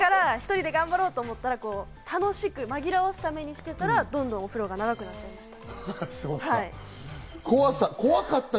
そこから１人で頑張ろうと思ったら楽しく紛らわすためにしていたら、どんどんお風呂が長くなっちゃいました。